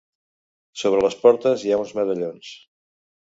Sobre les portes hi ha uns medallons.